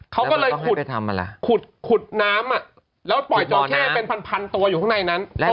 เขาก็เลยขุดขุดน้ำแล้วปล่อยจอเข้เป็นพันตัวอยู่ข้างในนั้น